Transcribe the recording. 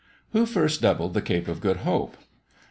WHO FIRST DOUBLED THE CAPE OF GOOD HOPE?